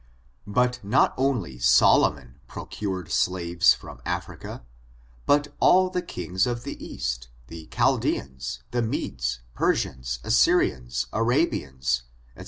But not only Solomon procured slaves from Africa, but all the kings of the East, the Chaldeans, the Modes, Persians, Assyrians, Arabians, &c.